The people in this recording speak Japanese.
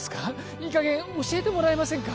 いい加減教えてもらえませんか？